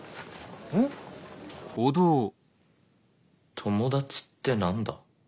友達って何だ？